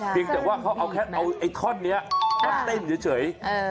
เพียงแต่ว่าเอาซะ๑ท่อนนี้ก็เต้นเฉย